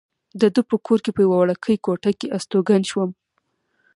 د ده په کور کې په یوې وړوکې کوټه کې استوګن شوم.